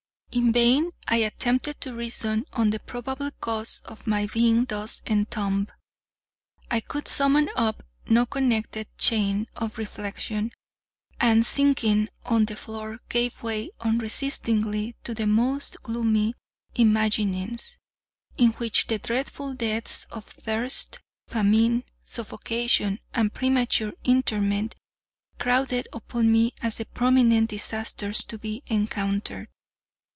In vain I attempted to reason on the probable cause of my being thus entombed. I could summon up no connected chain of reflection, and, sinking on the floor, gave way, unresistingly, to the most gloomy imaginings, in which the dreadful deaths of thirst, famine, suffocation, and premature interment crowded upon me as the prominent disasters to be encountered.